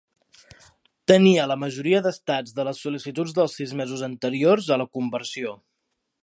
Tenia la majoria d"estats de les sol·licituds dels sis mesos anteriors a la conversió.